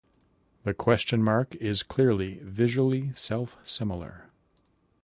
The question mark is clearly visually self-similar.